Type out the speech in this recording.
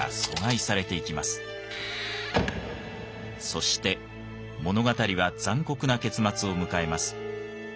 そして物語は残酷な結末を迎えます。